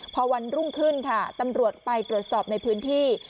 พอวันรุ่งขึ้นค่ะตำรวจไปตรวจสอบในพื้นที่